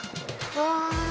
うわ。